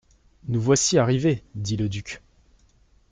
Nous voici arrivés, dit le duc.